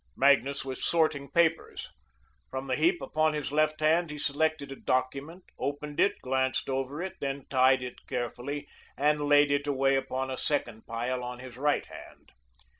Magnus was sorting papers. From the heap upon his left hand he selected a document, opened it, glanced over it, then tied it carefully, and laid it away upon a second pile on his right hand.